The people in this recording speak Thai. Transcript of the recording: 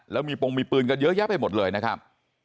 แล้วมีปงมีปืนกันเยอะแยะไปหมดเลยนะครับ